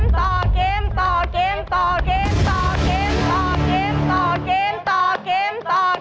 ต่อเกมต่อเกม